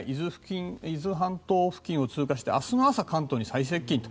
伊豆半島付近を通過して明日の朝、関東に最接近と。